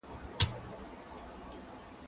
زه کولای سم مړۍ وخورم؟